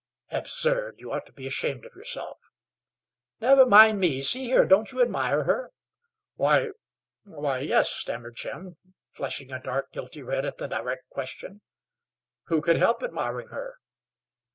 "Absurd! You ought to be ashamed of yourself." "Never mind me. See here; don't you admire her?" "Why why, yes," stammered Jim, flushing a dark, guilty red at the direct question. "Who could help admiring her?"